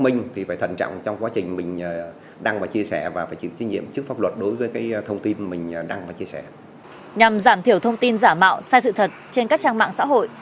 nhằm giảm thiểu thông tin giả mạo sai sự thật trên các trang mạng xã hội